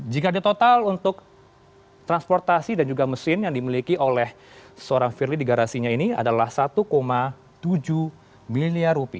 jika di total untuk transportasi dan juga mesin yang dimiliki oleh seorang firly di garasinya ini adalah rp satu tujuh miliar